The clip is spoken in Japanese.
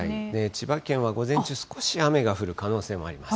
千葉県は午前中、少し雨が降る可能性もあります。